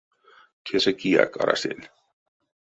Тесэ кияк арасель.